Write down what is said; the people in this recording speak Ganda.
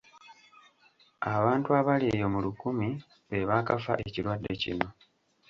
Abantu abali eyo mu lukumi be baakafa ekirwadde kino.